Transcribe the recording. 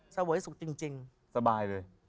เสวยสุขจริงสบายเลย